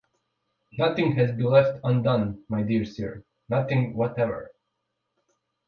Nothing has been left undone, my dear sir — nothing whatever.